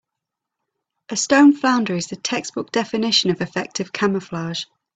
A stone flounder is the textbook definition of effective camouflage.